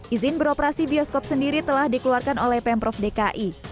izin beroperasi bioskop sendiri telah dikeluarkan oleh pemprov dki